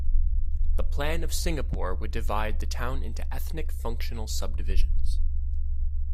The plan of Singapore would divide the town into ethnic functional subdivisions.